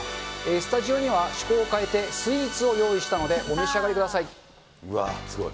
スタジオには趣向を変えて、スイーツを用意したのでお召し上うわ、すごい。